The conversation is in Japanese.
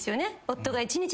夫が一日